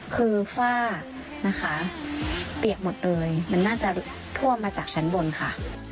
คือฝ้านะคะเปียกหมดเลยมันน่าจะท่วมมาจากชั้นบนค่ะ